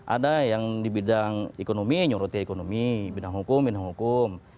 ada yang di bidang ekonomi nyuruti ekonomi bidang hukum bidang hukum